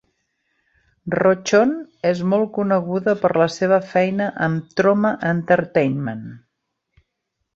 Rochon és molt coneguda per la seva feina amb Troma Entertainment.